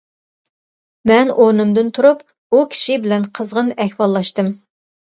مەن ئورنۇمدىن تۇرۇپ ئۇ كىشى بىلەن قىزغىن ئەھۋاللاشتىم.